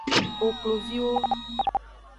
Kokloviwo.